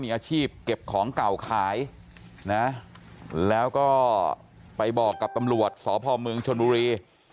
มีอาชีพเก็บของเก่าขายนะแล้วก็ไปบอกกับตำรวจสพเมืองชนบุรี